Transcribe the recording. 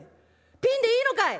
ピンでいいのかい！？」。